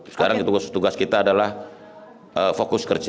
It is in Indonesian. sekarang tugas kita adalah fokus kerja